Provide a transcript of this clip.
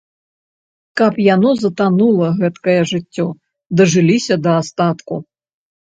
Каб яно затанула, гэткае жыццё, дажыліся да астатку.